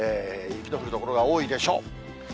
雪の降る所が多いでしょう。